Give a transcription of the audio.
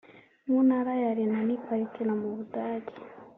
mu ntara ya Rhenanie Palatinat mu Budage